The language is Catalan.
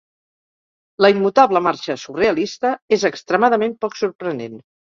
La immutable marxa surrealista és extremadament poc sorprenent.